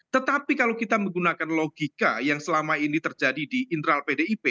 tetapi kalau kita menggunakan logika yang selama ini terjadi di internal pdip